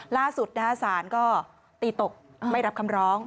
ล่าสุดศาลก็ตีตกไม่รับคำร้อง